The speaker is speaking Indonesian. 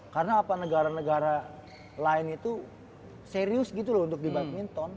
karena apa negara negara lain itu serius gitu loh untuk di badminton